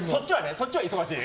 そっちは忙しい。